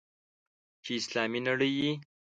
چې اسلامي نړۍ یې.